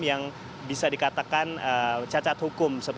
yang bisa dikatakan cacat hukum